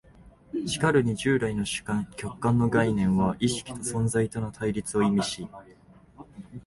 しかるに従来の主観・客観の概念は意識と存在との対立を意味し、